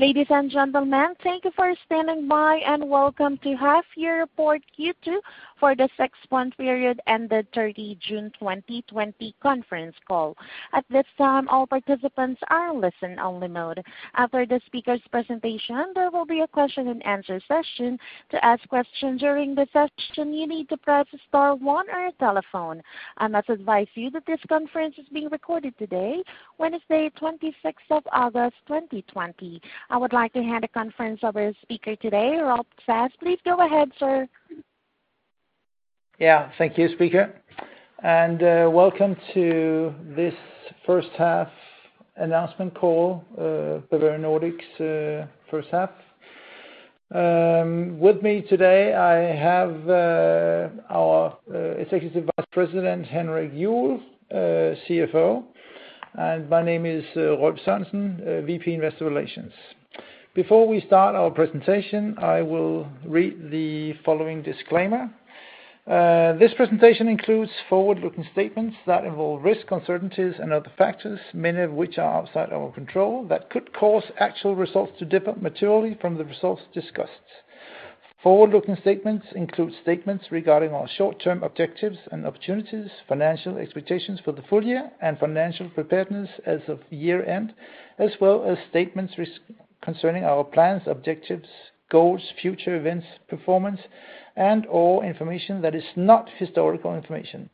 Ladies and gentlemen, thank you for standing by, and welcome to half year report Q2 for the six-month period ended 30 June 2020 conference call. At this time, all participants are in listen only mode. After the speaker's presentation, there will be a question and answer session. To ask questions during the session, you need to press star one on your telephone. I must advise you that this conference is being recorded today, Wednesday, 26th of August, 2020. I would like to hand the conference over to speaker today, Rolf Sass. Please go ahead, sir. Yeah, thank you, speaker, and welcome to this first half announcement call, the Bavarian Nordic's first half. With me today, I have our Executive Vice President, Henrik Juuel, CFO, and my name is Rolf Sass, VP, Investor Relations. Before we start our presentation, I will read the following disclaimer. This presentation includes forward-looking statements that involve risks, uncertainties, and other factors, many of which are outside our control, that could cause actual results to differ materially from the results discussed. Forward-looking statements include statements regarding our short-term objectives and opportunities, financial expectations for the full year, and financial preparedness as of year-end, as well as statements concerning our plans, objectives, goals, future events, performance, and all information that is not historical information.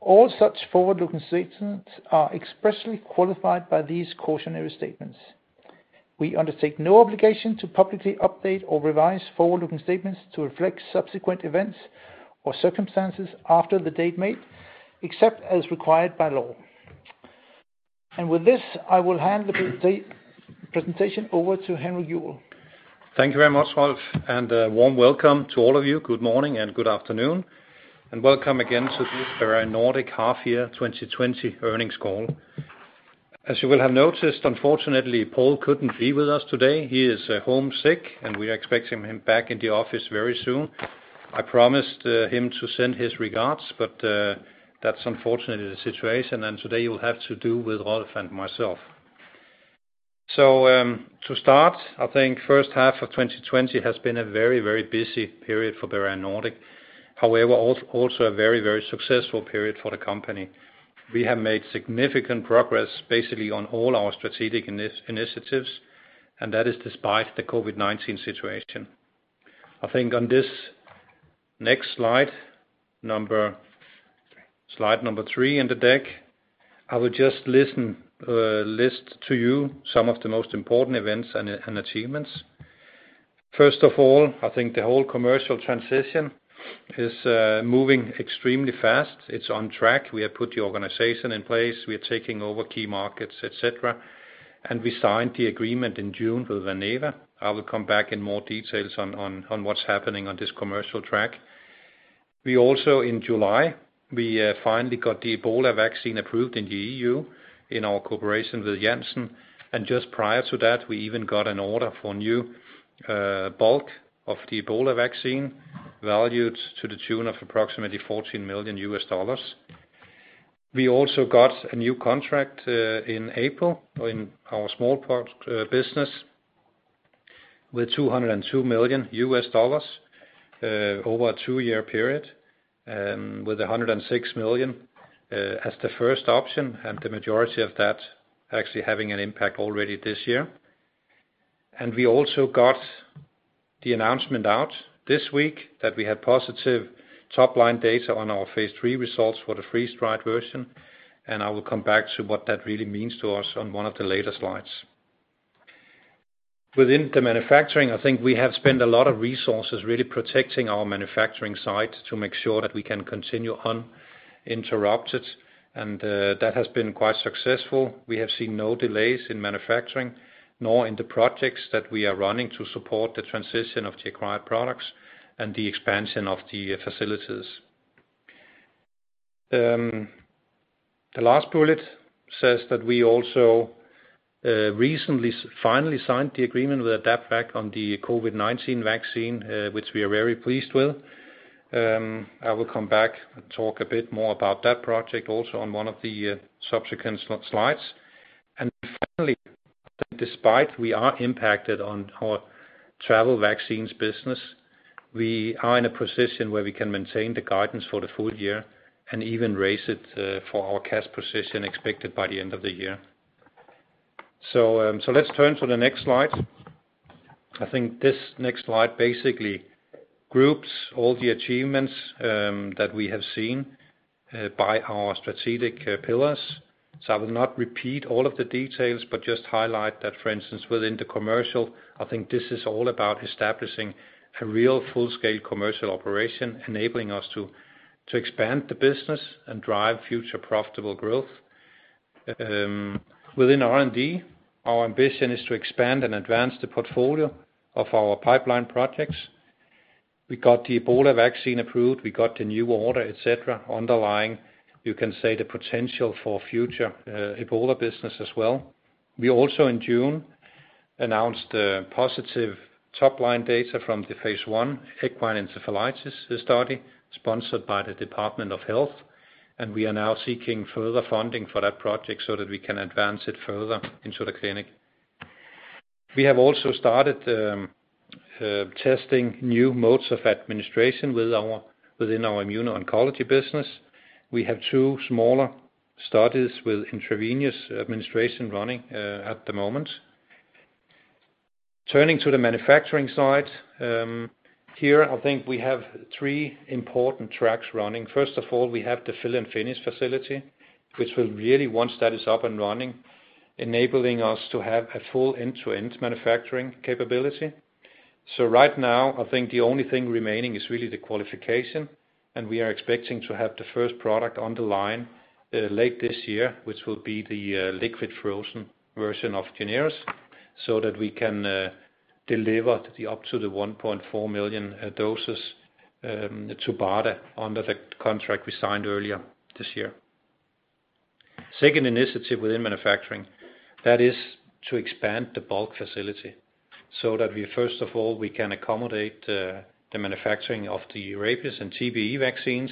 All such forward-looking statements are expressly qualified by these cautionary statements. We undertake no obligation to publicly update or revise forward-looking statements to reflect subsequent events or circumstances after the date made, except as required by law. With this, I will hand the presentation over to Henrik Juuel. Thank you very much, Rolf. A warm welcome to all of you. Good morning and good afternoon. Welcome again to this Bavarian Nordic half year 2020 earnings call. As you will have noticed, unfortunately, Paul couldn't be with us today. He is home sick, and we are expecting him back in the office very soon. I promised him to send his regards, but that's unfortunately the situation, and today you will have to do with Rolf and myself. To start, I think first half of 2020 has been a very, very busy period for Bavarian Nordic. However, also a very, very successful period for the company. We have made significant progress, basically on all our strategic initiatives, and that is despite the COVID-19 situation. I think on this next slide, number... Slide number three in the deck, I will just list to you some of the most important events and achievements. First of all, I think the whole commercial transition is moving extremely fast. It's on track. We have put the organization in place. We are taking over key markets, et cetera, and we signed the agreement in June with Valneva. I will come back in more details on what's happening on this commercial track. We also, in July, we finally got the Ebola vaccine approved in the EU, in our cooperation with Janssen, and just prior to that, we even got an order for new bulk of the Ebola vaccine, valued to the tune of approximately $14 million. We also got a new contract in April, in our smallpox business, with $202 million over a two year period, with $106 million as the first option, and the majority of that actually having an impact already this year. We also got the announcement out this week that we had positive top-line data on our phase III results for the freeze-dried version, and I will come back to what that really means to us on one of the later slides. Within the manufacturing, I think we have spent a lot of resources really protecting our manufacturing site to make sure that we can continue uninterrupted, and that has been quite successful. We have seen no delays in manufacturing, nor in the projects that we are running to support the transition of the acquired products and the expansion of the facilities. The last bullet says that we also recently finally signed the agreement with AdaptVac on the COVID-19 vaccine, which we are very pleased with. I will come back and talk a bit more about that project also on one of the subsequent slides. Finally, despite we are impacted on our travel vaccines business, we are in a position where we can maintain the guidance for the full year and even raise it for our cash position expected by the end of the year. Let's turn to the next slide. I think this next slide basically groups all the achievements that we have seen by our strategic pillars. I will not repeat all of the details, but just highlight that, for instance, within the commercial, I think this is all about establishing a real full-scale commercial operation, enabling us to expand the business and drive future profitable growth. Within R&D, our ambition is to expand and advance the portfolio of our pipeline projects. We got the Ebola vaccine approved, we got the new order, et cetera, underlying, you can say, the potential for future Ebola business as well. We also, in June, announced positive top line data from the phase one equine encephalitis study, sponsored by the Department of Health, and we are now seeking further funding for that project so that we can advance it further into the clinic. We have also started testing new modes of administration within our immuno-oncology business. We have two smaller studies with intravenous administration running at the moment. Turning to the manufacturing side, here, I think we have three important tracks running. First of all, we have the fill-and-finish facility, which will really, once that is up and running, enabling us to have a full end-to-end manufacturing capability. Right now, I think the only thing remaining is really the qualification, and we are expecting to have the first product on the line late this year, which will be the liquid frozen version of Jynneos, so that we can deliver the up to the 1.4 million doses to BARDA under the contract we signed earlier this year. Second initiative within manufacturing, that is to expand the bulk facility so that we first of all, we can accommodate the manufacturing of the rabies and TBE vaccines,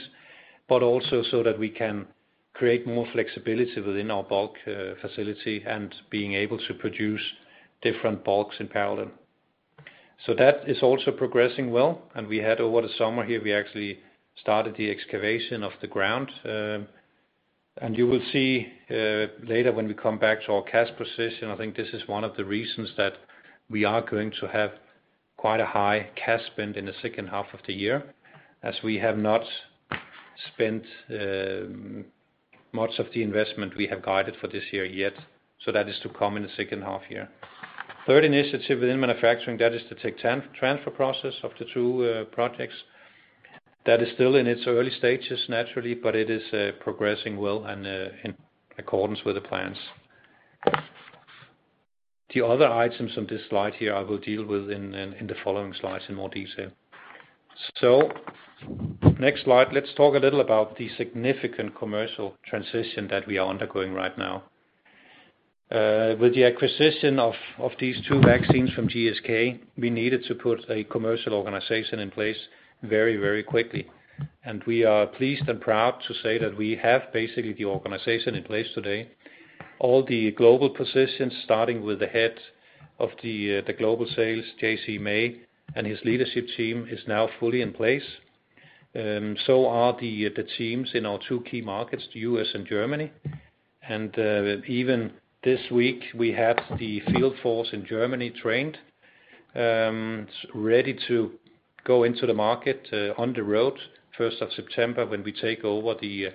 but also so that we can create more flexibility within our bulk facility and being able to produce different bulks in parallel. That is also progressing well, and we had over the summer here, we actually started the excavation of the ground. And you will see later when we come back to our cash position, I think this is one of the reasons that we are going to have quite a high cash spend in the second half of the year, as we have not spent much of the investment we have guided for this year yet. That is to come in the second half year. Third initiative within manufacturing, that is the tech transfer process of the two projects. That is still in its early stages, naturally, but it is progressing well and in accordance with the plans. The other items on this slide here, I will deal with in the following slides in more detail. Next slide, let's talk a little about the significant commercial transition that we are undergoing right now. With the acquisition of these two vaccines from GSK, we needed to put a commercial organization in place very quickly. We are pleased and proud to say that we have basically the organization in place today. All the global positions, starting with the head of the global sales, J.C. May, and his leadership team, is now fully in place. Are the teams in our two key markets, the U.S. and Germany. Even this week, we had the field force in Germany trained, ready to go into the market, on the road, 1st of September, when we take over the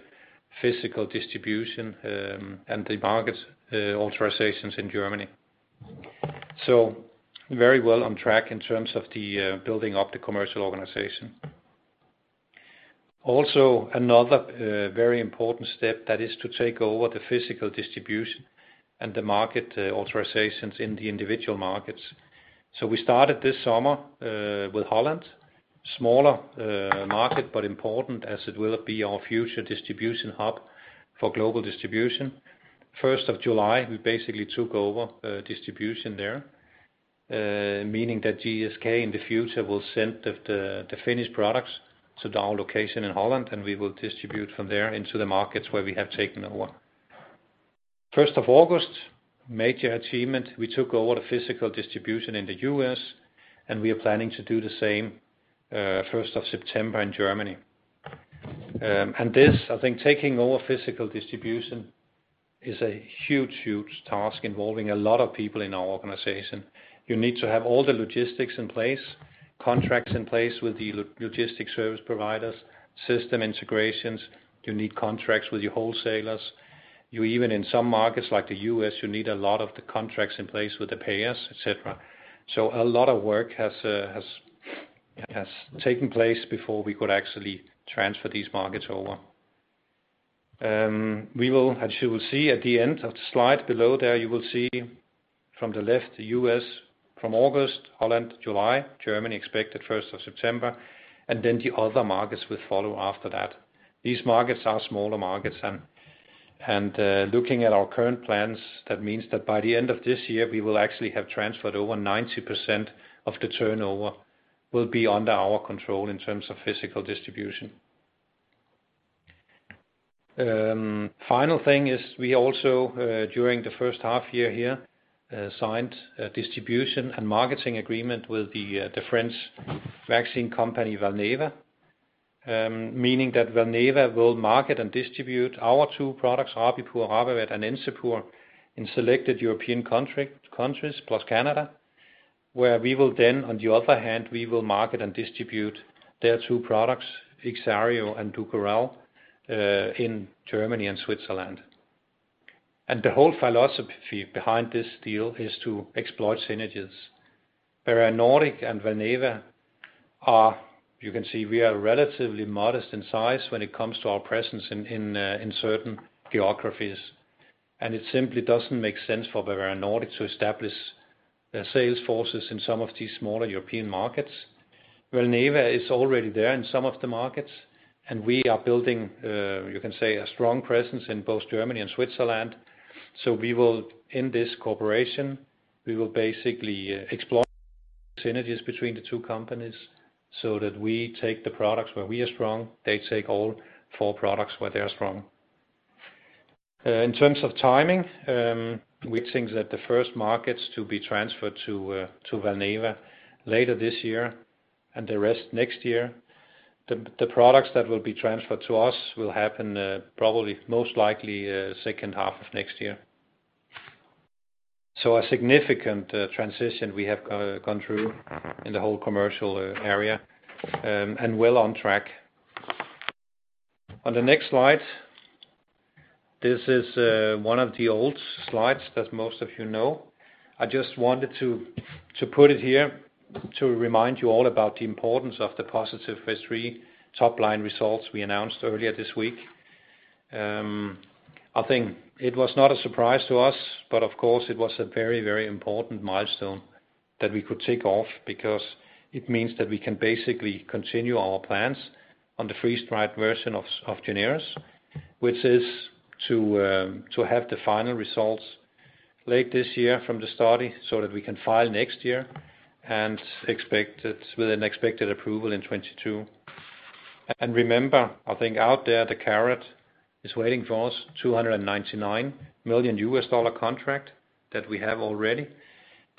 physical distribution, and the market authorizations in Germany. Very well on track in terms of the building up the commercial organization. Also, another very important step that is to take over the physical distribution and the market authorizations in the individual markets. We started this summer with Holland. Smaller market, but important as it will be our future distribution hub for global distribution. First of July, we basically took over distribution there, meaning that GSK in the future will send the finished products to our location in Holland. We will distribute from there into the markets where we have taken over. First of August, major achievement, we took over the physical distribution in the U.S. We are planning to do the same, first of September in Germany. This, I think, taking over physical distribution is a huge task involving a lot of people in our organization. You need to have all the logistics in place, contracts in place with the logistics service providers, system integrations. You need contracts with your wholesalers. You even in some markets, like the U.S., you need a lot of the contracts in place with the payers, et cetera. A lot of work has taken place before we could actually transfer these markets over. We will, as you will see at the end of the slide below there, you will see from the left, the U.S. from August, Holland, July, Germany, expected first of September, and then the other markets will follow after that. These markets are smaller markets, and looking at our current plans, that means that by the end of this year, we will actually have transferred over 90% of the turnover will be under our control in terms of physical distribution. Final thing is we also, during the first half year here, signed a distribution and marketing agreement with the French vaccine company, Valneva. Meaning that Valneva will market and distribute our two products, Rabipur, Rabivac, and Encepur, in selected European countries, plus Canada, where we will then, on the other hand, we will market and distribute their two products, Ixiaro and Dukoral, in Germany and Switzerland. The whole philosophy behind this deal is to exploit synergies. Where Nordic and Valneva are, you can see we are relatively modest in size when it comes to our presence in certain geographies. It simply doesn't make sense for Bavarian Nordic to establish their sales forces in some of these smaller European markets. Valneva is already there in some of the markets, and we are building, you can say, a strong presence in both Germany and Switzerland. We will, in this cooperation, we will basically explore synergies between the two companies so that we take the products where we are strong, they take all four products where they are strong. In terms of timing, we think that the first markets to be transferred to Valneva later this year and the rest next year. The products that will be transferred to us will happen probably most likely second half of next year. A significant transition we have gone through in the whole commercial area, and well on track. On the next slide, this is one of the old slides that most of you know. I just wanted to put it here to remind you all about the importance of the positive Phase III top line results we announced earlier this week. I think it was not a surprise to us, but of course, it was a very, very important milestone that we could tick off because it means that we can basically continue our plans on the freeze-dried version of Jynneos, which is to have the final results late this year from the study, so that we can file next year and with an expected approval in 2022. Remember, I think out there, the carrot is waiting for us, $299 million contract that we have already,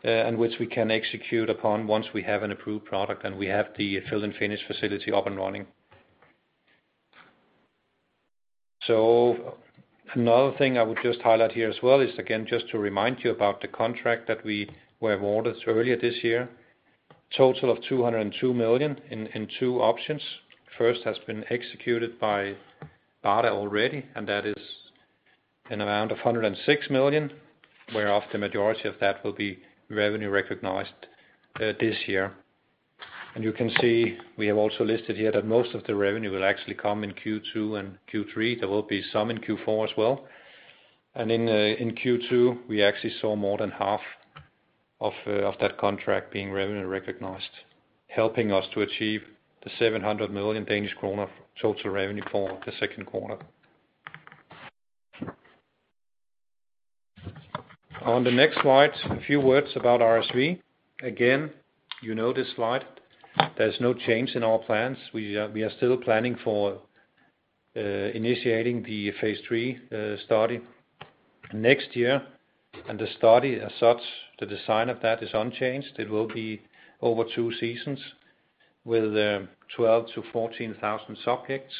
and which we can execute upon once we have an approved product and we have the fill-and-finish facility up and running. Another thing I would just highlight here as well is, again, just to remind you about the contract that we were awarded earlier this year. Total of $202 million in two options. First has been executed by BARDA already. That is an amount of $106 million, whereof the majority of that will be revenue recognized this year. You can see we have also listed here that most of the revenue will actually come in Q2 and Q3. There will be some in Q4 as well. In Q2, we actually saw more than half of that contract being revenue recognized, helping us to achieve the 700 million Danish kroner total revenue for the second quarter. On the next slide, a few words about RSV. Again, you know this slide. There's no change in our plans. We are still planning for initiating the phase III study next year, and the study as such, the design of that is unchanged. It will be over two seasons with 12,000-14,000 subjects,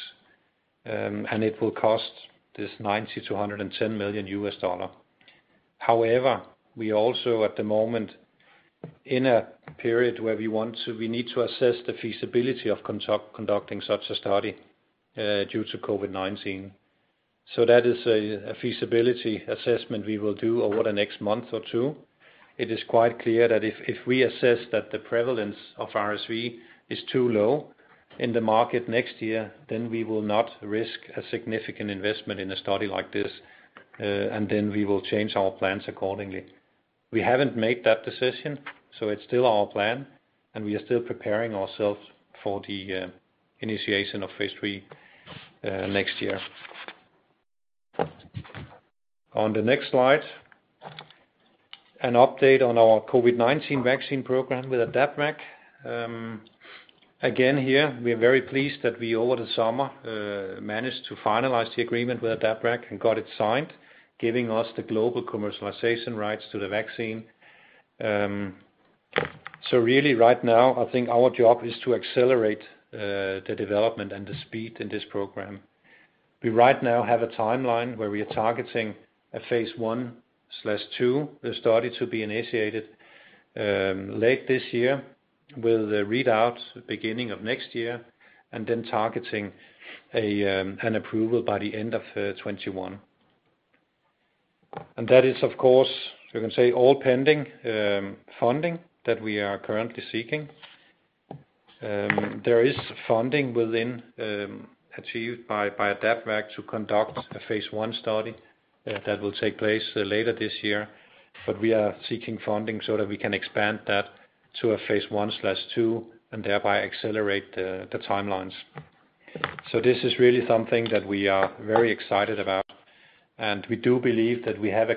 and it will cost this $90 million-$110 million. However, we also at the moment, in a period where we want to, we need to assess the feasibility of conducting such a study due to COVID-19. That is a feasibility assessment we will do over the next month or two. It is quite clear that if we assess that the prevalence of RSV is too low in the market next year, then we will not risk a significant investment in a study like this, and then we will change our plans accordingly. We haven't made that decision, so it's still our plan, and we are still preparing ourselves for the initiation of phase III next year. On the next slide, an update on our COVID-19 vaccine program with AdaptVac. Again, here, we are very pleased that we, over the summer, managed to finalize the agreement with AdaptVac and got it signed, giving us the global commercialization rights to the vaccine. Really right now, I think our job is to accelerate the development and the speed in this program. We right now have a timeline where we are targeting a phase I/II. The study to be initiated late this year, with the readouts beginning of next year, and then targeting an approval by the end of 2021. That is, of course, you can say, all pending funding that we are currently seeking. There is funding within achieved by AdaptVac to conduct a phase I study that will take place later this year, but we are seeking funding so that we can expand that to a phase I/II, and thereby accelerate the timelines. This is really something that we are very excited about, and we do believe that we have a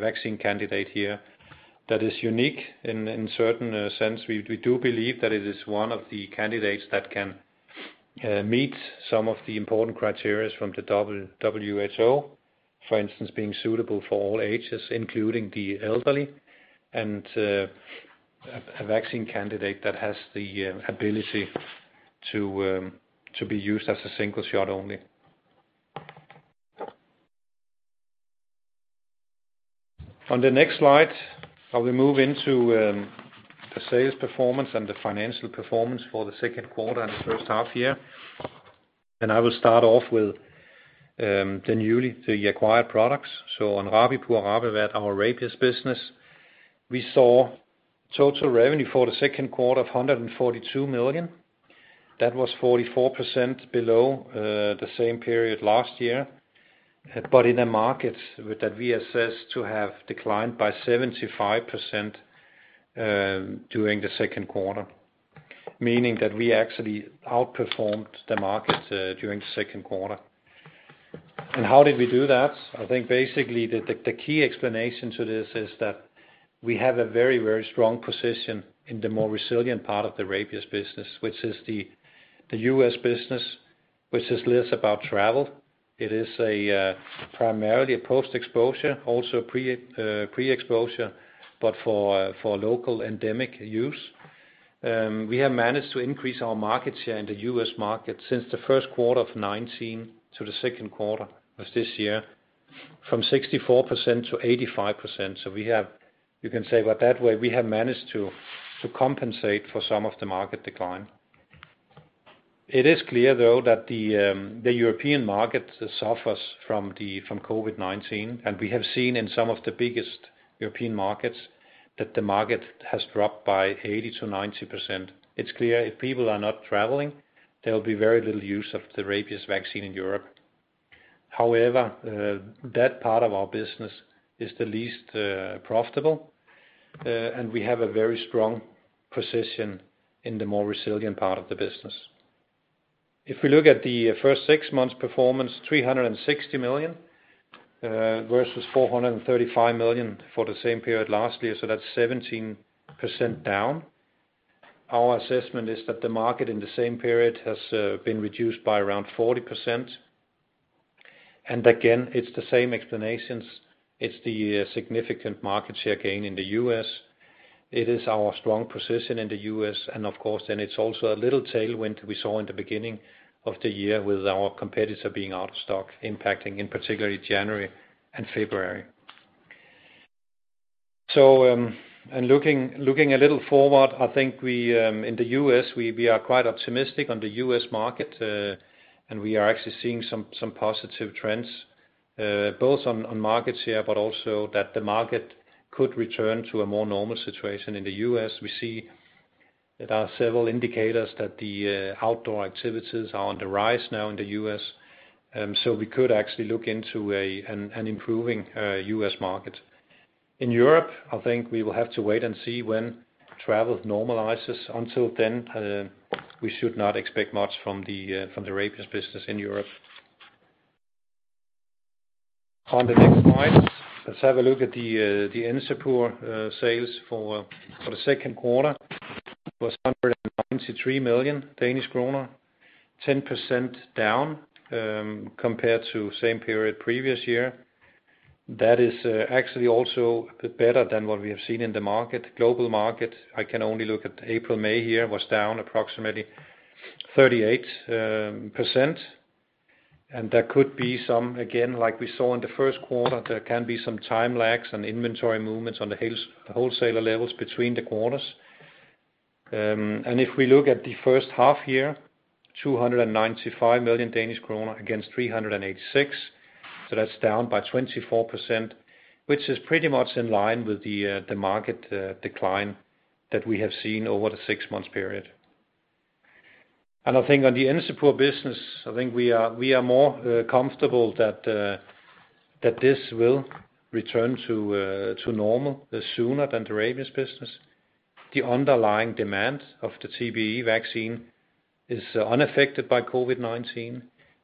vaccine candidate here that is unique in certain sense. We do believe that it is one of the candidates that can meet some of the important criteria from the WHO, for instance, being suitable for all ages, including the elderly, and a vaccine candidate that has the ability to be used as a single shot only. On the next slide, I will move into the sales performance and the financial performance for the second quarter and the first half year. I will start off with the acquired products. On Rabipur, RabAvert, our rabies business, we saw total revenue for the second quarter of 142 million. That was 44% below the same period last year. In a market that we assess to have declined by 75% during the second quarter, meaning that we actually outperformed the market during the second quarter. How did we do that? I think basically, the key explanation to this is that we have a very, very strong position in the more resilient part of the rabies business, which is the U.S. business, which is less about travel. It is a primarily a post-exposure, also pre-exposure, but for local endemic use. We have managed to increase our market share in the US market since the first quarter of 2019 to the second quarter of this year, from 64%-85%. You can say that way, we have managed to compensate for some of the market decline. It is clear, though, that the European market suffers from COVID-19, and we have seen in some of the biggest European markets that the market has dropped by 80%-90%. It's clear if people are not traveling, there will be very little use of the rabies vaccine in Europe. That part of our business is the least profitable, and we have a very strong position in the more resilient part of the business. If we look at the first six months performance, 360 million versus 435 million for the same period last year, so that's 17% down. Our assessment is that the market in the same period has been reduced by around 40%. Again, it's the same explanations. It's the significant market share gain in the U.S. It is our strong position in the U.S., and of course, then it's also a little tailwind we saw in the beginning of the year with our competitor being out of stock, impacting in particularly January and February. Looking a little forward, I think we in the U.S., we are quite optimistic on the U.S. market, and we are actually seeing some positive trends, both on market share, but also that the market could return to a more normal situation. In the U.S., we see there are several indicators that the outdoor activities are on the rise now in the U.S., we could actually look into an improving U.S. market. In Europe, I think we will have to wait and see when travel normalizes. Until then, we should not expect much from the rabies business in Europe. On the next slide, let's have a look at the Encepur sales for the second quarter was 193 million Danish kroner, 10% down compared to same period previous year. That is actually also a bit better than what we have seen in the market. Global market, I can only look at April, May here, was down approximately 38%. There could be some, again, like we saw in the first quarter, there can be some time lags and inventory movements on the wholesaler levels between the quarters. If we look at the first half year, 295 million Danish kroner against 386 million. That's down by 24%, which is pretty much in line with the market decline that we have seen over the six-month period. I think on the Encepur business, we are more comfortable that this will return to normal sooner than the rabies business. The underlying demand of the TBE vaccine is unaffected by COVID-19,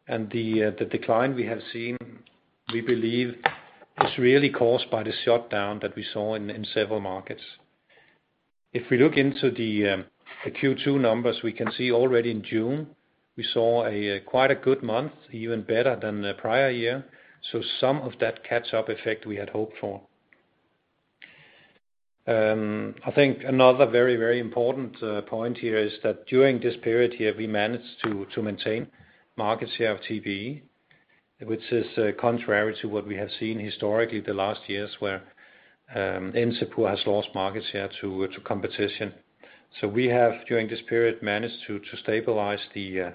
and the decline we have seen, we believe, is really caused by the shutdown that we saw in several markets. If we look into the Q2 numbers, we can see already in June, we saw a quite a good month, even better than the prior year, some of that catch-up effect we had hoped for. I think another very, very important point here is that during this period here, we managed to maintain market share of TBE, which is contrary to what we have seen historically the last years, where Encepur has lost market share to competition. We have, during this period, managed to stabilize the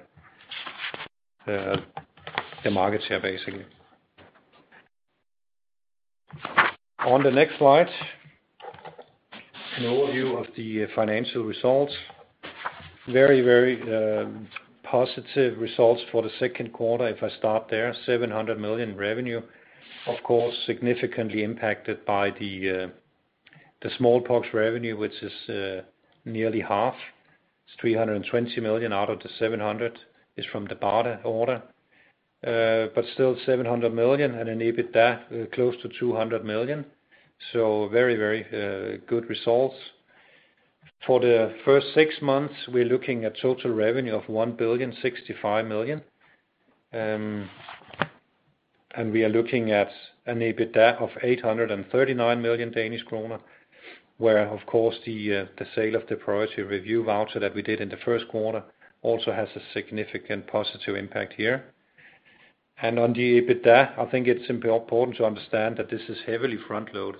market share basically. On the next slide, an overview of the financial results. Very positive results for the second quarter. If I start there, 700 million revenue, of course, significantly impacted by the smallpox revenue, which is nearly half. It's 320 million out of the 700 million is from the BARDA order, but still 700 million, and an EBITDA close to 200 million. Very good results. For the first six months, we're looking at total revenue of 1,065 million. We are looking at an EBITDA of 839 million Danish kroner, where, of course, the sale of the Priority Review Voucher that we did in the first quarter also has a significant positive impact here. On the EBITDA, I think it's important to understand that this is heavily front-loaded,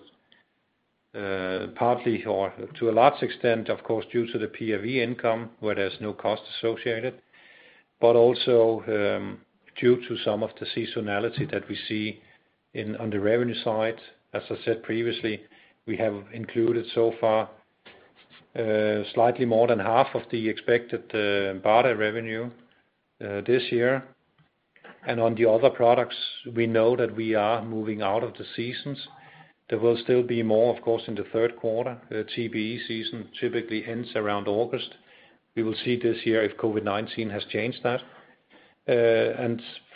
partly, or to a large extent, of course, due to the PRV income, where there's no cost associated. Also, due to some of the seasonality that we see in, on the revenue side. As I said previously, we have included so far, slightly more than half of the expected BARDA revenue this year. On the other products, we know that we are moving out of the seasons. There will still be more, of course, in the third quarter. The TBE season typically ends around August. We will see this year if COVID-19 has changed that.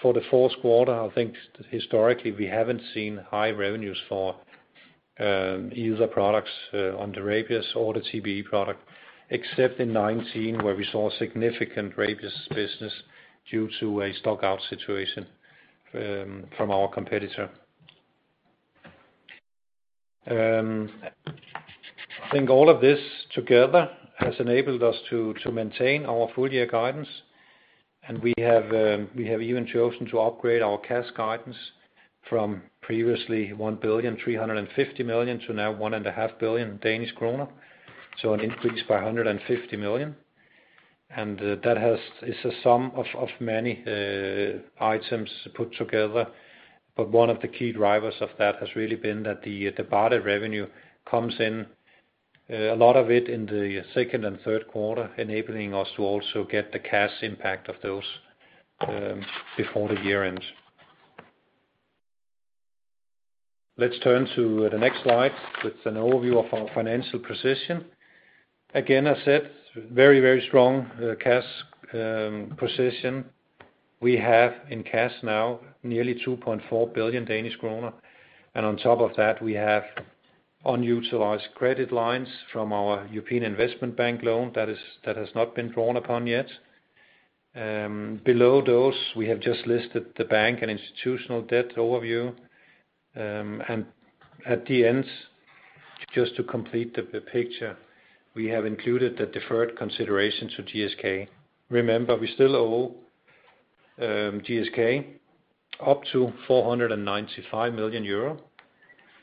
For the fourth quarter, I think historically, we haven't seen high revenues for either products on the rabies or the TBE product, except in 2019, where we saw significant rabies business due to a stock out situation from our competitor. I think all of this together has enabled us to maintain our full year guidance, we have even chosen to upgrade our cash guidance from previously 1.35 billion to now 1.5 billion Danish krone. An increase by 150 million. That's a sum of many items put together. One of the key drivers of that has really been that the BARDA revenue comes in, a lot of it in the second and third quarter, enabling us to also get the cash impact of those before the year ends. Let's turn to the next slide with an overview of our financial position. Again, I said, very, very strong cash position. We have in cash now nearly 2.4 billion Danish kroner, and on top of that, we have unutilized credit lines from our European Investment Bank loan that has not been drawn upon yet. Below those, we have just listed the bank and institutional debt overview. And at the end, just to complete the picture, we have included the deferred considerations to GSK. Remember, we still owe GSK up to 495 million euro.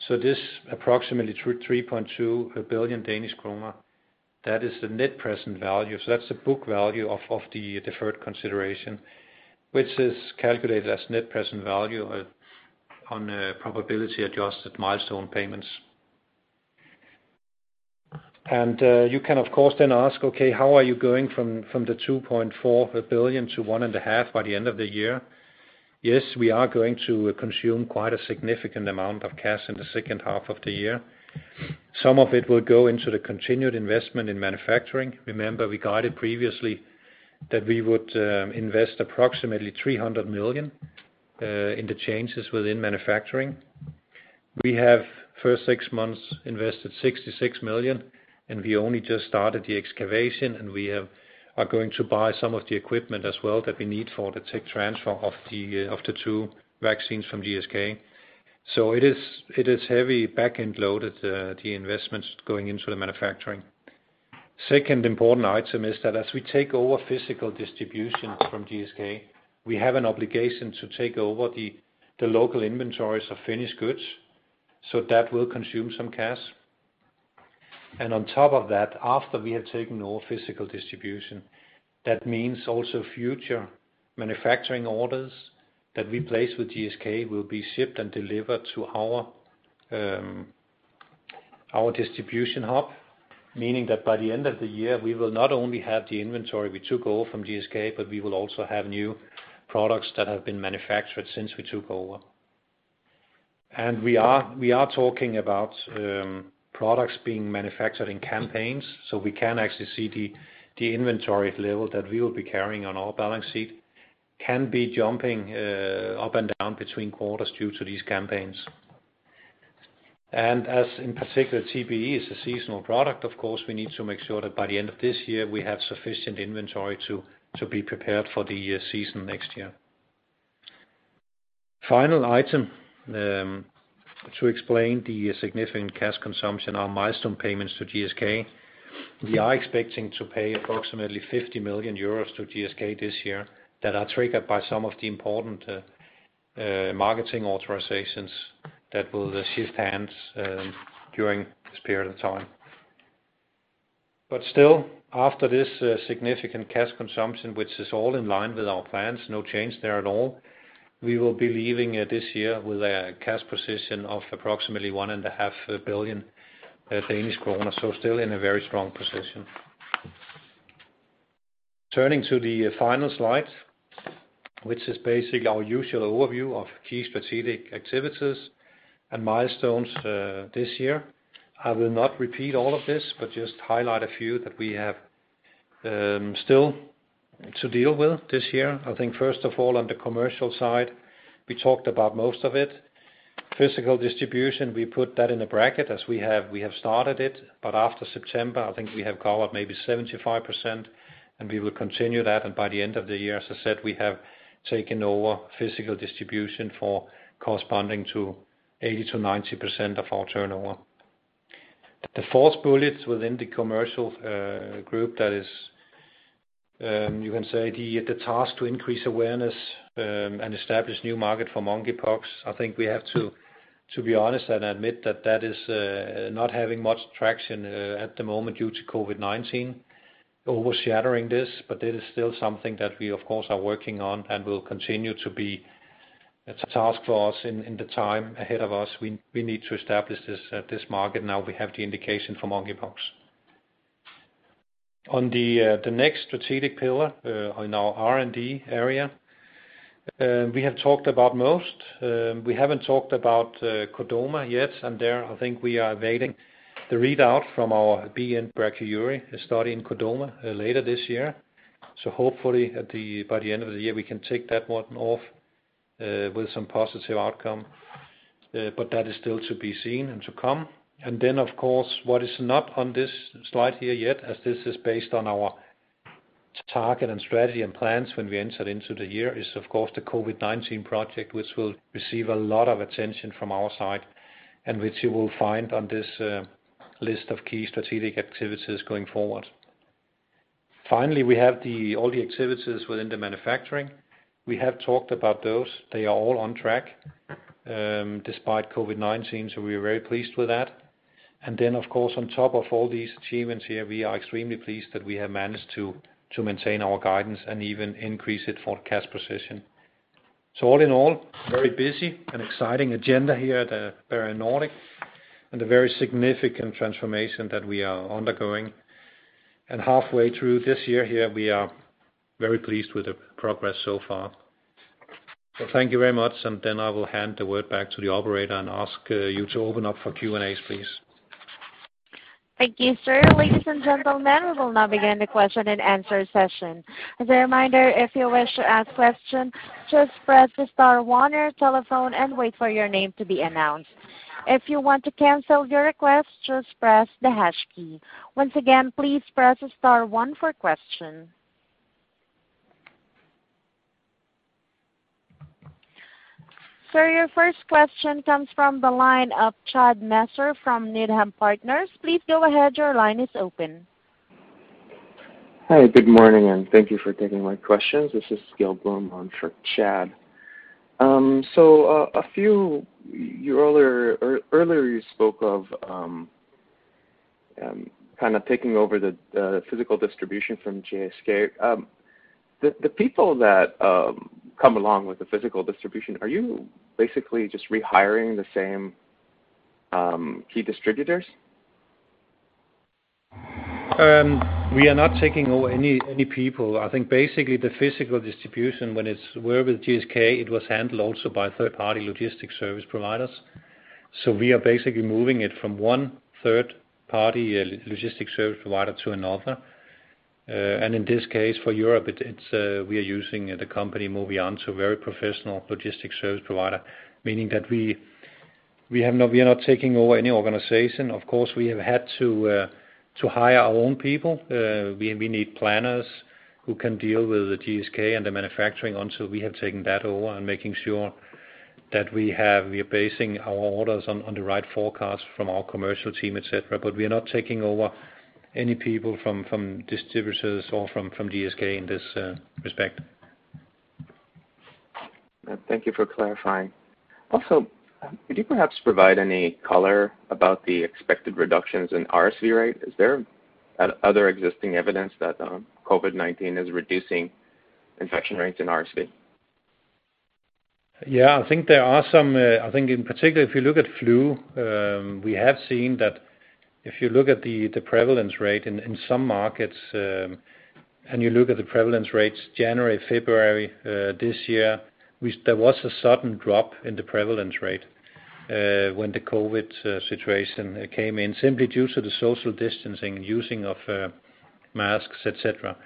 This approximately 3.2 billion Danish kroner, that is the net present value. That's the book value of the deferred consideration, which is calculated as net present value on probability adjusted milestone payments. You can, of course, then ask, "Okay, how are you going from 2.4 billion to 1.5 billion by the end of the year?" We are going to consume quite a significant amount of cash in the second half of the year. Some of it will go into the continued investment in manufacturing. Remember, we guided previously that we would invest approximately 300 million in the changes within manufacturing. We have first six months invested 66 million, and we only just started the excavation, and we are going to buy some of the equipment as well that we need for the tech transfer of the, of the two vaccines from GSK. It is heavy back-end loaded. The investments going into the manufacturing. Second important item is that as we take over physical distribution from GSK, we have an obligation to take over the local inventories of finished goods, so that will consume some cash. On top of that, after we have taken over physical distribution, that means also future manufacturing orders that we place with GSK will be shipped and delivered to our distribution hub, meaning that by the end of the year, we will not only have the inventory we took over from GSK, but we will also have new products that have been manufactured since we took over. We are talking about products being manufactured in campaigns, so we can actually see the inventory level that we will be carrying on our balance sheet can be jumping up and down between quarters due to these campaigns. As in particular, TBE is a seasonal product, of course, we need to make sure that by the end of this year we have sufficient inventory to be prepared for the season next year. Final item, to explain the significant cash consumption, our milestone payments to GSK. We are expecting to pay approximately 50 million euros to GSK this year that are triggered by some of the important marketing authorizations that will shift hands during this period of time. Still, after this significant cash consumption, which is all in line with our plans, no change there at all, we will be leaving this year with a cash position of approximately 1.5 billion Danish kroner, so still in a very strong position. Turning to the final slide, which is basically our usual overview of key strategic activities and milestones this year. I will not repeat all of this, but just highlight a few that we have still to deal with this year. I think first of all, on the commercial side, we talked about most of it. Physical distribution, we put that in a bracket as we have started it, but after September, I think we have covered maybe 75%, and we will continue that. By the end of the year, as I said, we have taken over physical distribution for corresponding to 80%-90% of our turnover. The fourth bullet within the commercial group, that is, you can say the task to increase awareness, and establish new market for monkeypox. to be honest, I admit that that is not having much traction at the moment due to COVID-19 overshadowing this, but it is still something that we, of course, are working on and will continue to be a task for us in the time ahead of us. We need to establish this at this market now we have the indication for monkeypox. On the next strategic pillar in our R&D area, we have talked about most. We haven't talked about Chordoma yet, and there I think we are awaiting the readout from our BN-Brachyury study in Chordoma later this year. Hopefully, by the end of the year, we can take that one off with some positive outcome. That is still to be seen and to come. Then, of course, what is not on this slide here yet, as this is based on our target and strategy and plans when we entered into the year, is of course, the COVID-19 project which will receive a lot of attention from our side, and which you will find on this list of key strategic activities going forward. Finally, we have all the activities within the manufacturing. We have talked about those. They are all on track, despite COVID-19, so we are very pleased with that. Then, of course, on top of all these achievements here, we are extremely pleased that we have managed to maintain our guidance and even increase it for cash position. All in all, very busy and exciting agenda here at Bavarian Nordic, and a very significant transformation that we are undergoing. Halfway through this year here, we are very pleased with the progress so far. Thank you very much, and I will hand the word back to the operator and ask you to open up for Q&As, please. Thank you, sir. Ladies and gentlemen, we will now begin the question-and-answer session. As a reminder, if you wish to ask questions, just press the star one on your telephone and wait for your name to be announced. If you want to cancel your request, just press the hash key. Once again, please press star one for questions. Sir, your first question comes from the line of Chad Messer from Needham Partners. Please go ahead. Your line is open. Hi, good morning, and thank you for taking my questions. This is Gil Blum on for Chad. You earlier spoke of, kind of taking over the physical distribution from GSK. The people that come along with the physical distribution, are you basically just rehiring the same key distributors? We are not taking over any people. I think basically the physical distribution, when we're with GSK, it was handled also by third-party logistics service providers. We are basically moving it from one third-party logistic service provider to another. In this case, for Europe, we are using the company Movianto, so very professional logistics service provider, meaning that we are not taking over any organization. Of course, we have had to hire our own people. We need planners who can deal with the GSK and the manufacturing until we have taken that over and making sure that we are basing our orders on the right forecast from our commercial team, et cetera. We are not taking over any people from distributors or from GSK in this respect. Thank you for clarifying. Could you perhaps provide any color about the expected reductions in RSV rate? Is there other existing evidence that, COVID-19 is reducing infection rates in RSV? Yeah, I think there are some. I think in particular, if you look at flu, we have seen that if you look at the prevalence rate in some markets, and you look at the prevalence rates January, February, this year, there was a sudden drop in the prevalence rate when the COVID situation came in, simply due to the social distancing and using of masks, et cetera.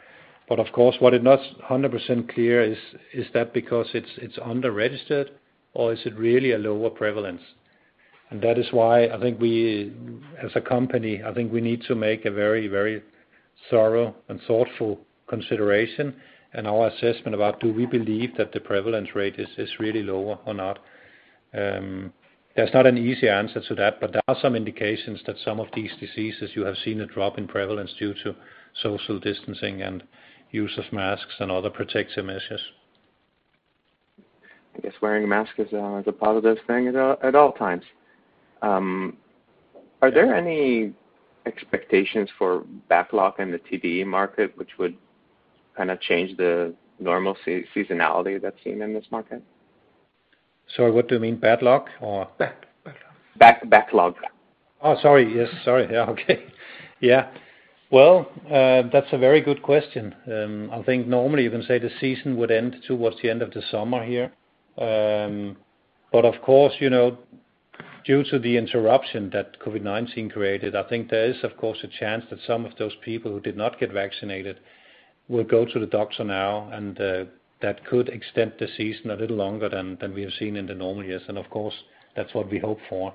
Of course, what is not 100% clear is that because it's under registered, or is it really a lower prevalence? That is why I think we, as a company, I think we need to make a very, very thorough and thoughtful consideration in our assessment about do we believe that the prevalence rate is really lower or not. There's not an easy answer to that, but there are some indications that some of these diseases, you have seen a drop in prevalence due to social distancing and use of masks and other protective measures. I guess wearing a mask is a positive thing at all, at all times. Are there any expectations for backlog in the TD market, which would kind of change the normal seasonality that's seen in this market? Sorry, what do you mean, padlock or- Backlog. backlog. Sorry. Yes, sorry. Okay. Yeah. Well, that's a very good question. I think normally you can say the season would end towards the end of the summer here. Of course, you know, due to the interruption that COVID-19 created, I think there is, of course, a chance that some of those people who did not get vaccinated will go to the doctor now, and that could extend the season a little longer than we have seen in the normal years. Of course, that's what we hope for.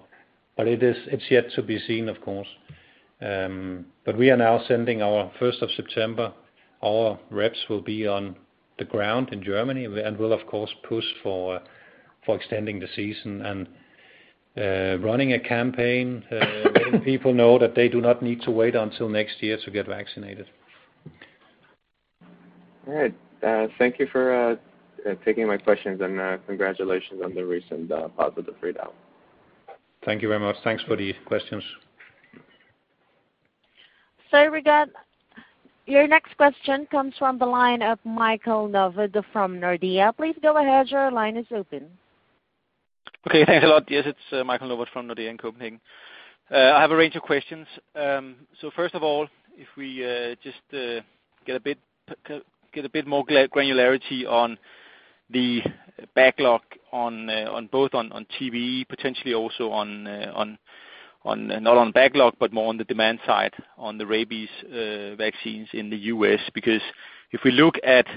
It's yet to be seen, of course. We are now sending our... First of September, our reps will be on the ground in Germany and will, of course, push for extending the season and running a campaign, letting people know that they do not need to wait until next year to get vaccinated. All right, thank you for taking my questions, and congratulations on the recent positive readout. Thank you very much. Thanks for the questions. Sorry, your next question comes from the line of Michael Novod from Nordea. Please go ahead. Your line is open. Okay, thanks a lot. Yes, it's Michael Novod from Nordea in Copenhagen. I have a range of questions. First of all, if we just get a bit more granularity on the backlog on both on TBE, potentially also on not on backlog, but more on the demand side, on the rabies vaccines in the U.S. If we look at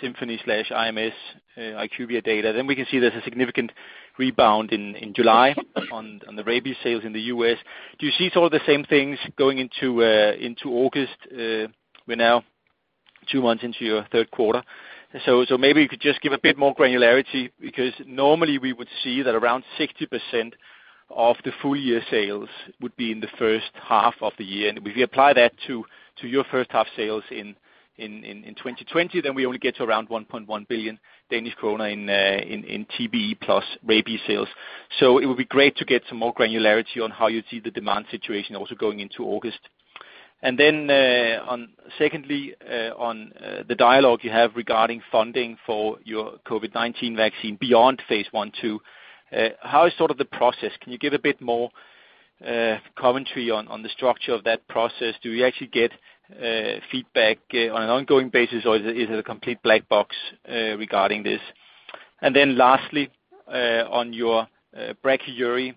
Symphony/IMS IQVIA data, then we can see there's a significant rebound in July on the rabies sales in the U.S. Do you see sort of the same things going into August? We're now two months into your third quarter, so maybe you could just give a bit more granularity, because normally we would see that around 60% of the full year sales would be in the first half of the year. If we apply that to your first half sales in 2020, then we only get to around 1.1 billion Danish kroner in TBE plus rabies sales. It would be great to get some more granularity on how you see the demand situation also going into August. Then on secondly, on the dialogue you have regarding funding for your COVID-19 vaccine beyond phase one, two, how is sort of the process? Can you give a bit more commentary on the structure of that process? Do you actually get feedback on an ongoing basis, or is it a complete black box regarding this? Lastly, on your Brachyury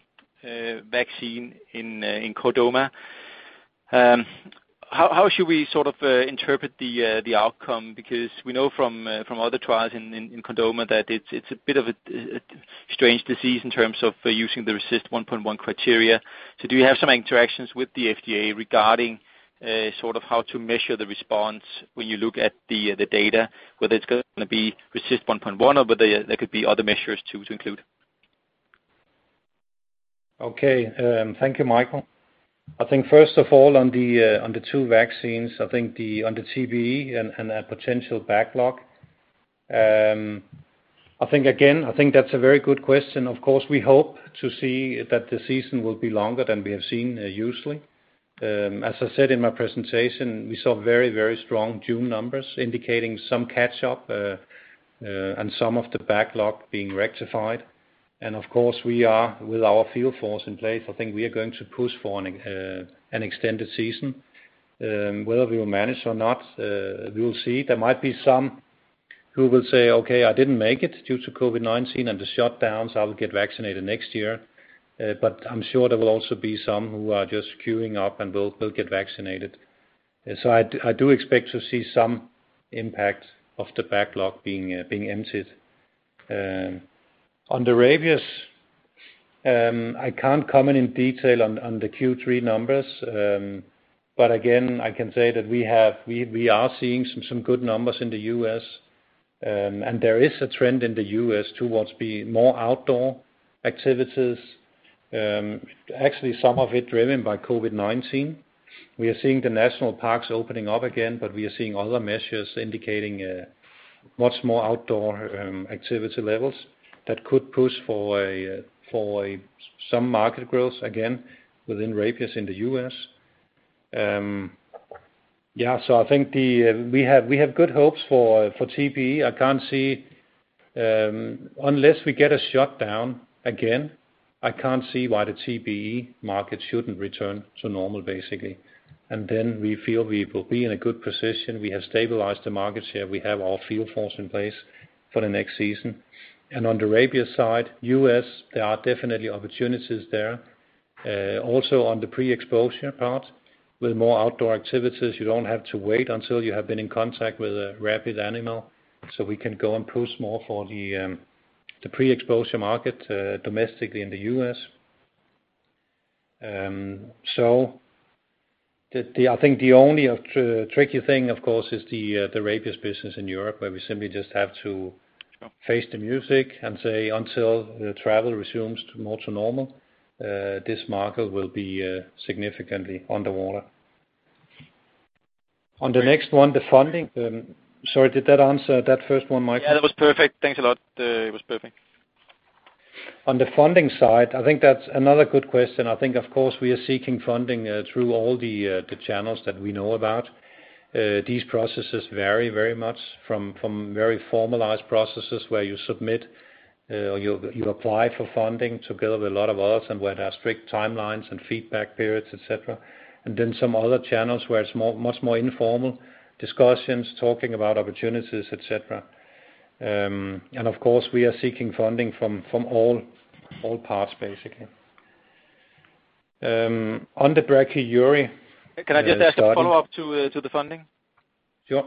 vaccine in Chordoma, how should we sort of interpret the outcome? Because we know from other trials in Chordoma that it's a bit of a strange disease in terms of using the RECIST 1.1 criteria. Do you have some interactions with the FDA regarding sort of how to measure the response when you look at the data, whether it's gonna be RECIST 1.1, or whether there could be other measures to include? Okay. Thank you, Michael. I think first of all, on the two vaccines, I think the, on the TBE and that potential backlog, I think again, I think that's a very good question. Of course, we hope to see that the season will be longer than we have seen usually. As I said in my presentation, we saw very strong June numbers indicating some catch-up and some of the backlog being rectified. Of course, we are, with our field force in place, I think we are going to push for an extended season. Whether we will manage or not, we will see. There might be some who will say, "Okay, I didn't make it due to COVID-19 and the shutdowns. I will get vaccinated next year." I'm sure there will also be some who are just queueing up and will get vaccinated. I do expect to see some impact of the backlog being emptied. On the rabies, I can't comment in detail on the Q3 numbers. Again, I can say that we have, we are seeing some good numbers in the U.S., and there is a trend in the U.S. towards more outdoor activities, actually, some of it driven by COVID-19. We are seeing the national parks opening up again, we are seeing other measures indicating much more outdoor activity levels that could push for some market growth again within rabies in the U.S. I think we have good hopes for TBE. I can't see, unless we get a shutdown again, I can't see why the TBE market shouldn't return to normal, basically. We feel we will be in a good position. We have stabilized the market share. We have our field force in place for the next season. On the rabies side, U.S., there are definitely opportunities there. Also on the pre-exposure part, with more outdoor activities, you don't have to wait until you have been in contact with a rabid animal, we can go and push more for the pre-exposure market, domestically in the U.S. I think the only tricky thing, of course, is the rabies business in Europe, where we simply just have to face the music and say, until the travel resumes to more to normal, this market will be significantly underwater. On the next one, the funding. Sorry, did that answer that first one, Michael? Yeah, that was perfect. Thanks a lot. It was perfect. On the funding side, I think that's another good question. I think, of course, we are seeking funding through all the channels that we know about. These processes vary very much from very formalized processes, where you submit, you apply for funding together with a lot of others, and where there are strict timelines and feedback periods, et cetera. Then some other channels where it's more, much more informal discussions, talking about opportunities, et cetera. Of course, we are seeking funding from all parts, basically. On the BN-Brachyury, Can I just ask a follow-up to the funding? Sure.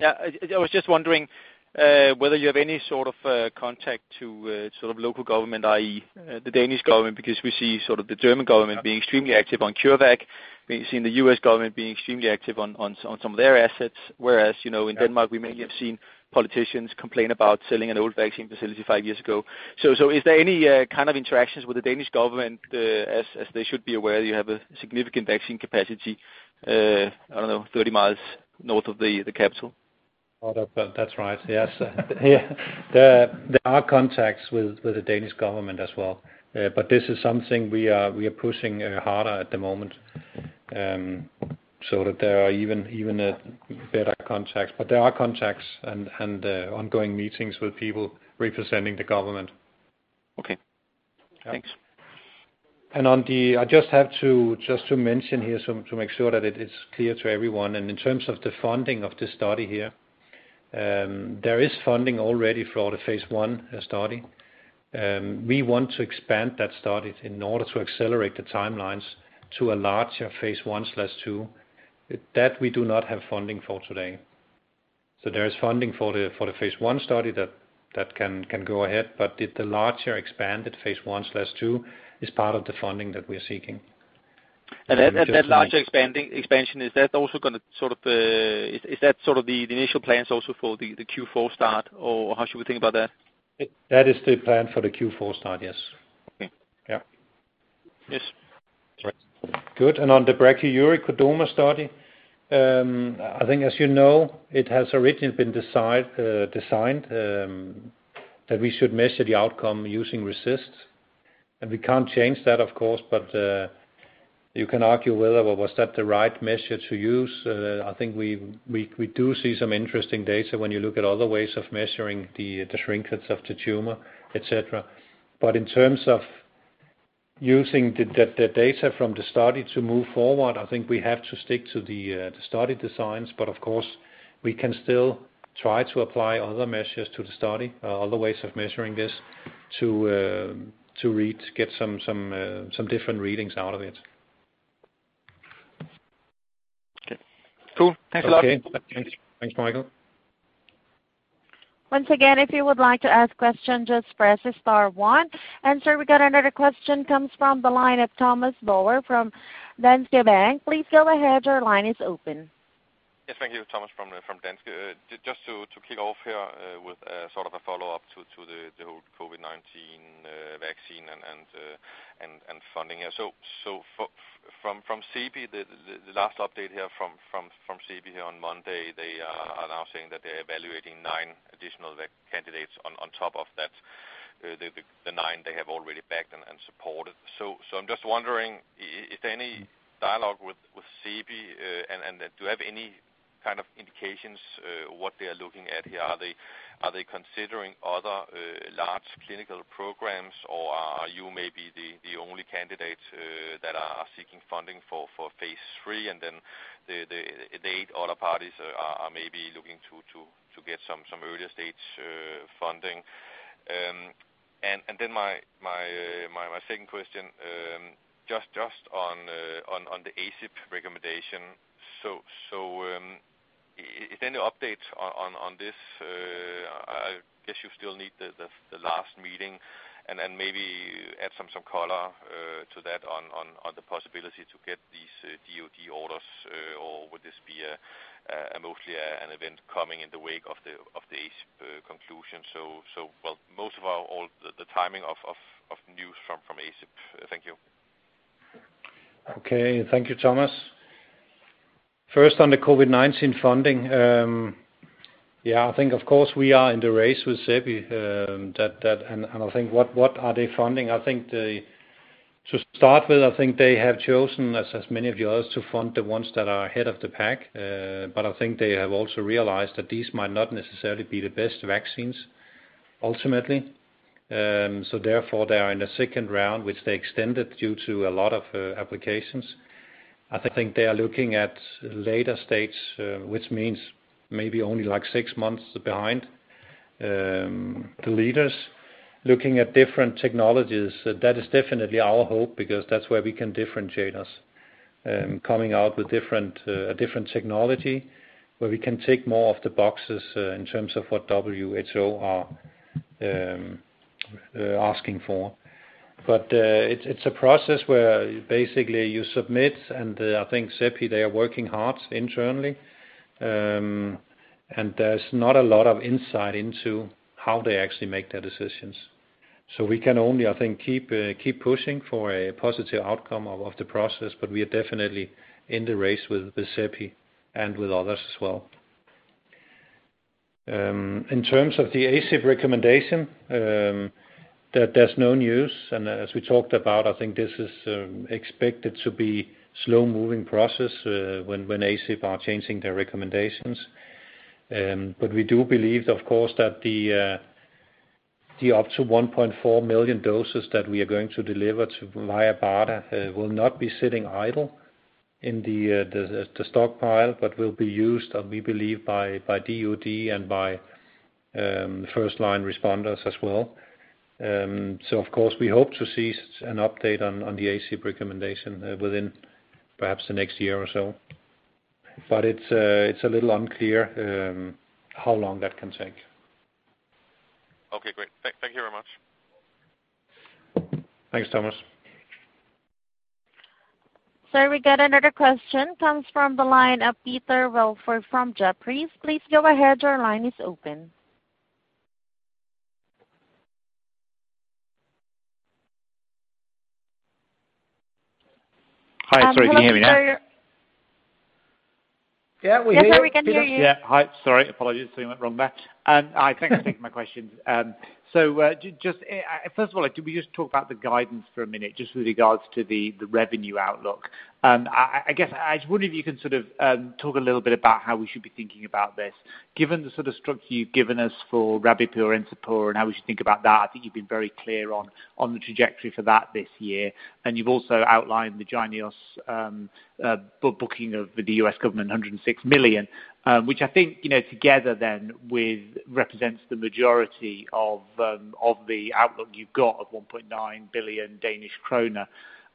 I was just wondering, whether you have any sort of contact to sort of local government, i.e., the Danish government, because we see sort of the German government being extremely active on CureVac. We've seen the U.S. government being extremely active on some of their assets, whereas, you know, in Denmark, we mainly have seen politicians complain about selling an old vaccine facility five years ago. Is there any kind of interactions with the Danish government as they should be aware, you have a significant vaccine capacity, I don't know, 30 miles north of the capital? Oh, that's right. Yes. There are contacts with the Danish government as well. This is something we are pushing harder at the moment. That there are even a better contacts, but there are contacts and ongoing meetings with people representing the government. Okay. Thanks. On the I just have to, just to mention here, so to make sure that it is clear to everyone, and in terms of the funding of this study here, there is funding already for the phase one study. We want to expand that study in order to accelerate the timelines to a larger phase one/two. That we do not have funding for today. There is funding for the phase one study that can go ahead, but the larger expanded phase one/two is part of the funding that we are seeking. That larger expansion, is that also going to sort of, is that sort of the initial plans also for the Q4 start, or how should we think about that? That is the plan for the Q4 start, yes. Okay. Yeah. Yes. Right. Good. On the brachyury Chordoma study, I think as you know, it has originally been designed that we should measure the outcome using RECIST. We can't change that, of course, but you can argue whether well, was that the right measure to use? I think we do see some interesting data when you look at other ways of measuring the shrinkage of the tumor, et cetera. In terms of using the data from the study to move forward, I think we have to stick to the study designs. Of course, we can still try to apply other measures to the study, other ways of measuring this, to read, to get some different readings out of it. Okay, cool. Thanks a lot. Okay. Thanks, Michael. Once again, if you would like to ask questions, just press star one. Sir, we got another question comes from the line of Thomas Bowers from Danske Bank. Please go ahead, your line is open. Yes, thank you, Thomas from Danske. Just to kick off here with sort of a follow-up to the whole COVID-19 vaccine and funding here, from CEPI, the last update here from CEPI on Monday, they are announcing that they're evaluating nine additional candidates on top of that, the nine they have already backed and supported. I'm just wondering, is there any dialogue with CEPI and do you have any kind of indications what they are looking at here? Are they considering other large clinical programs, or are you maybe the only candidate that are seeking funding for phase III, and then the eight other parties are maybe looking to get some earlier stage funding? Then my second question, just on the ACIP recommendation. Is there any updates on this? I guess you still need the last meeting and maybe add some color to that on the possibility to get these DoD orders, or would this be a mostly an event coming in the wake of the ACIP conclusion? Well, most of all, the timing of news from ACIP. Thank you. Okay. Thank you, Thomas. First, on the COVID-19 funding. Yeah, I think of course we are in the race with CEPI, and I think what are they funding? I think they, to start with, they have chosen, as many of the others, to fund the ones that are ahead of the pack. I think they have also realized that these might not necessarily be the best vaccines ultimately. Therefore, they are in the second round, which they extended due to a lot of applications. I think they are looking at later states, which means maybe only like six months behind the leaders. Looking at different technologies, that is definitely our hope, because that's where we can differentiate us, coming out with different, a different technology, where we can tick more of the boxes, in terms of what WHO are asking for. It's a process where basically you submit, and I think CEPI, they are working hard internally. There's not a lot of insight into how they actually make their decisions. We can only, I think, keep pushing for a positive outcome of the process, but we are definitely in the race with CEPI and with others as well. In terms of the ACIP recommendation, there's no news. As we talked about, I think this is expected to be slow-moving process, when ACIP are changing their recommendations. We do believe, of course, that the up to 1.4 million doses that we are going to deliver to via BARDA will not be sitting idle in the stockpile, but will be used, we believe, by DoD and by first-line responders as well. Of course, we hope to see an update on the ACIP recommendation within perhaps the next year or so. It's a little unclear how long that can take. Okay, great. Thank you very much. Thanks, Thomas. Sir, we got another question comes from the line of Peter Welford from Jefferies. Please go ahead, your line is open. Hi, sorry, can you hear me now? Yeah, we hear you. Yes, now we can hear you. Yeah. Hi, sorry. Apologies, something went wrong there. I thank for taking my questions. Just first of all, could we just talk about the guidance for a minute, just with regards to the revenue outlook? I guess I just wonder if you can sort of talk a little bit about how we should be thinking about this. Given the sort of structure you've given us for Rabipur and Encepur, and how we should think about that, I think you've been very clear on the trajectory for that this year. You've also outlined the JYNNEOS booking of the U.S. government, $106 million, which I think, you know, together with represents the majority of the outlook you've got of 1.9 billion Danish kroner.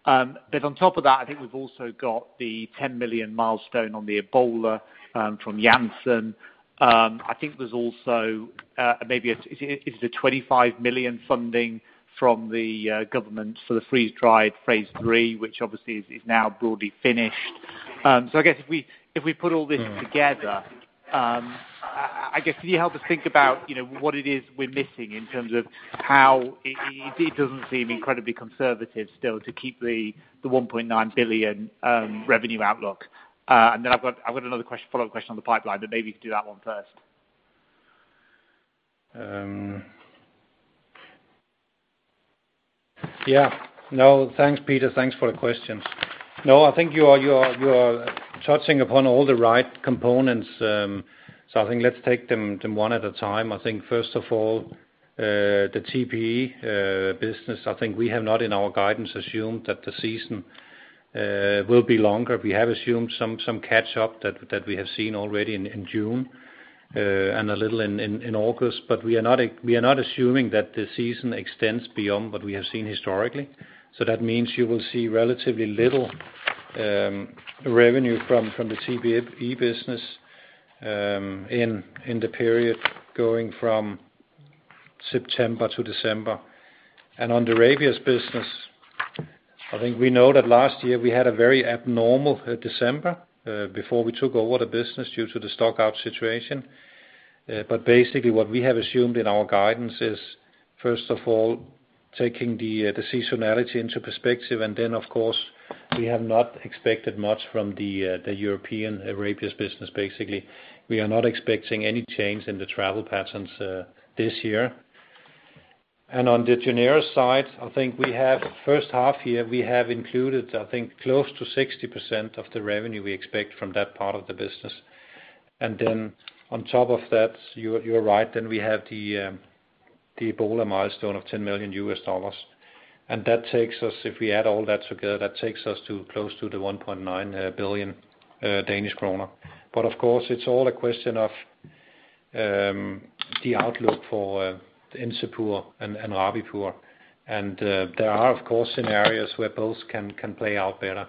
On top of that, I think we've also got the $10 million milestone on the Ebola from Janssen. I think there's also $25 million funding from the government for the freeze-dried Phase III, which obviously is now broadly finished. I guess if we put all this together, can you help us think about, you know, what it is we're missing in terms of how it doesn't seem incredibly conservative still to keep the 1.9 billion revenue outlook? I've got another question- follow-up question on the pipeline, but maybe you could do that one first. Yeah. Thanks, Peter. Thanks for the questions. I think you are touching upon all the right components, I think let's take them one at a time. I think first of all, the TBE business, I think we have not, in our guidance, assumed that the season will be longer. We have assumed some catch-up that we have seen already in June, and a little in August. We are not assuming that the season extends beyond what we have seen historically. That means you will see relatively little revenue from the TBE business in the period going from September to December. On the Rabies business, I think we know that last year we had a very abnormal December before we took over the business due to the stockout situation. Basically, what we have assumed in our guidance is, first of all, taking the seasonality into perspective, and then of course, we have not expected much from the European Rabies business. Basically, we are not expecting any change in the travel patterns this year. On the JYNNEOS side, I think we have first half year, we have included, I think, close to 60% of the revenue we expect from that part of the business. On top of that, you are right, then we have the Ebola milestone of $10 million. That takes us, if we add all that together, that takes us to close to 1.9 billion Danish kroner. Of course, it's all a question of the outlook for Encepur and Rabipur. There are, of course, scenarios where both can play out better.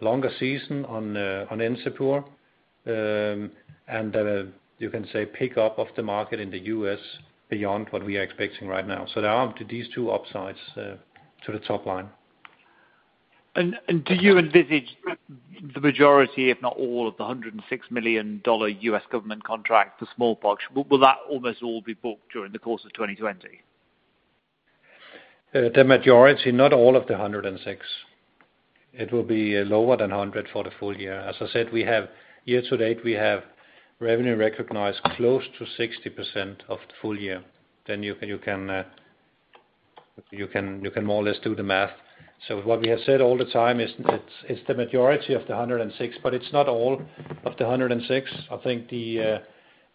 Longer season on the Encepur, and you can say pick up of the market in the US beyond what we are expecting right now. There are up to these two upsides to the top line. Do you envisage the majority, if not all, of the $106 million U.S. government contract, the smallpox, will that almost all be booked during the course of 2020? The majority, not all of the 106. It will be lower than 100 for the full year. As I said, we have, year-to-date, we have revenue recognized close to 60% of the full year. You can more or less do the math. What we have said all the time is, it's the majority of the 106, but it's not all of the 106. I think the,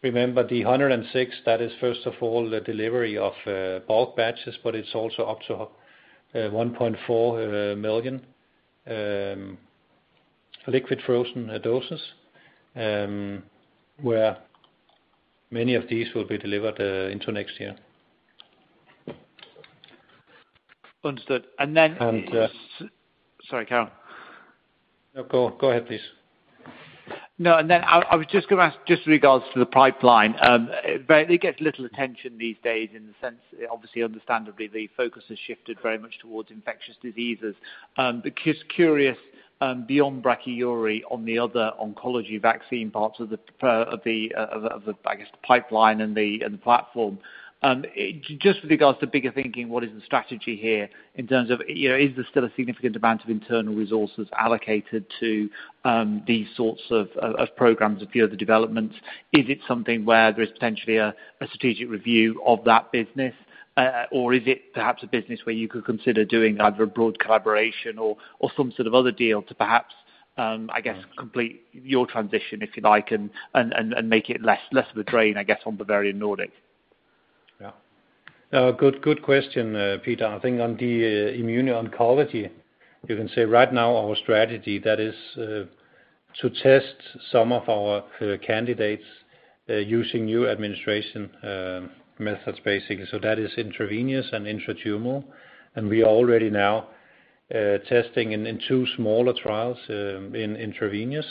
remember, the 106, that is first of all, the delivery of bulk batches, but it's also up to 1.4 million liquid frozen doses, where many of these will be delivered into next year. Understood. Then- And, uh- Sorry, carry on. No, go ahead, please. I was just gonna ask, just with regards to the pipeline, but it gets little attention these days in the sense, obviously, understandably, the focus has shifted very much towards infectious diseases. But just curious, beyond brachyury, on the other oncology vaccine parts of the, of the, of the, I guess, the pipeline and the, and the platform. Just with regards to bigger thinking, what is the strategy here in terms of, you know, is there still a significant amount of internal resources allocated to these sorts of programs and further developments? Is it something where there is potentially a strategic review of that business, or is it perhaps a business where you could consider doing either a broad collaboration or some sort of other deal to perhaps, I guess, complete your transition, if you like, and make it less of a drain, I guess, on Bavarian Nordic? Yeah. Good question, Peter. I think on the immuno-oncology, you can say right now our strategy, that is to test some of our candidates using new administration methods, basically. That is intravenous and intratumoral. We are already now testing in two smaller trials in intravenous.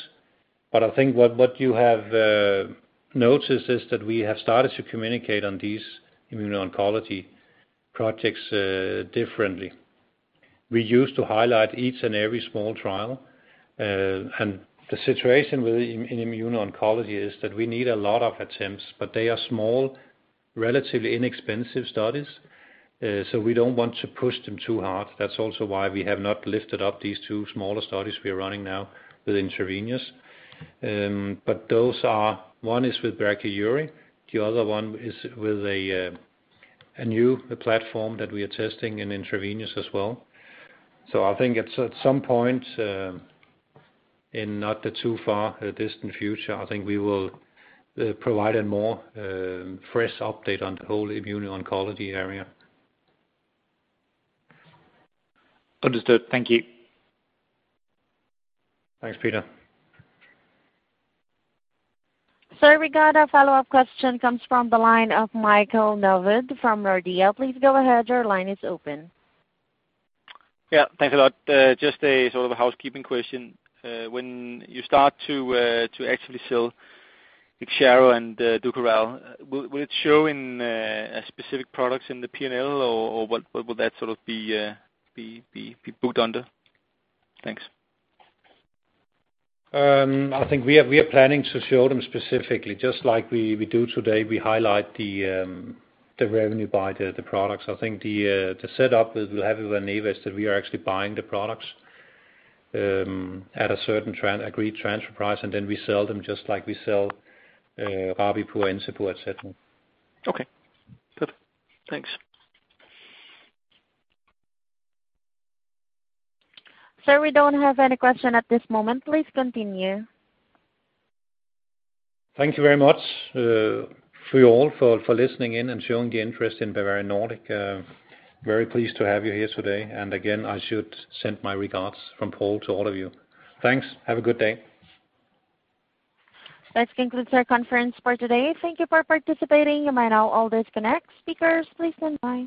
I think what you have noticed is that we have started to communicate on these immuno-oncology projects differently. We used to highlight each and every small trial, and the situation with immuno-oncology is that we need a lot of attempts, but they are relatively inexpensive studies, so we don't want to push them too hard. That's also why we have not lifted up these two smaller studies we are running now with intravenous. Those are, one is with Brachyury, the other one is with a new platform that we are testing in intravenous as well. I think at some point, in not the too far distant future, I think we will provide a more fresh update on the whole immuno-oncology area. Understood. Thank you. Thanks, Peter. Sir, we got a follow-up question comes from the line of Michael Novod from Nordea. Please go ahead. Your line is open. Yeah, thanks a lot. Just a sort of a housekeeping question. When you start to actually sell Ixiaro and Dukoral, will it show in specific products in the P&L, or what would that sort of be booked under? Thanks. I think we are planning to show them specifically, just like we do today. We highlight the revenue by the products. I think the setup is we have with Valneva's, that we are actually buying the products at a certain agreed transfer price, and then we sell them just like we sell Rabipur, Encepur, et cetera. Okay, good. Thanks. Sir, we don't have any question at this moment. Please continue. Thank you very much to you all for listening in and showing the interest in Bavarian Nordic. Very pleased to have you here today, and again, I should send my regards from Paul to all of you. Thanks. Have a good day. That concludes our conference for today. Thank you for participating. You may now all disconnect. Speakers, please stand by.